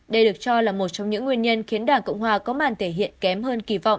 đây được cho là một trong những nguyên nhân khiến đảng cộng hòa có màn thể hiện kém hơn kỳ vọng